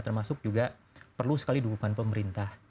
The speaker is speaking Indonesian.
termasuk juga perlu sekali dukungan pemerintah